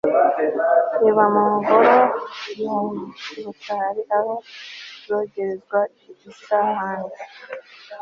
Iba mu ngoro mu Rukari aho zogerezwa isahani